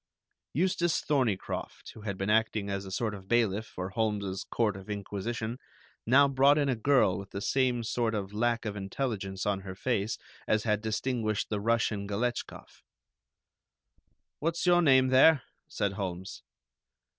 Eustace Thorneycroft, who had been acting as a sort of bailiff for Holmes's court of inquisition, now brought in a girl with the same sort of lack of intelligence on her face as had distinguished the Russian Galetchkoff. "What's your name, there?" said Holmes.